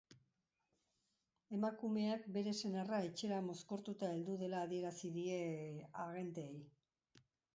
Emakumeak bere senarra etxera mozkortuta heldu dela adierazi die agenteei.